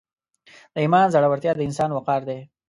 د ایمان زړورتیا د انسان وقار دی.